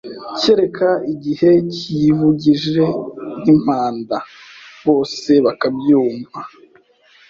Kereka igihe kiyivugije nk’impanda Bose bakabyumva.